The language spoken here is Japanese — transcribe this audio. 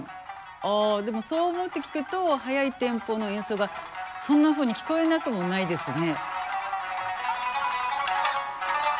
あでもそう思って聴くと速いテンポの演奏がそんなふうに聞こえなくもないですね。